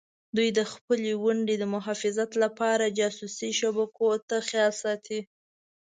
دوی د خپلې ونډې د حفاظت لپاره جاسوسي شبکو ته خیال ساتي.